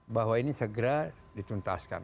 bahwa ini segera dituntaskan